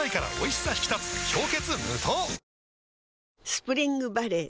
スプリングバレー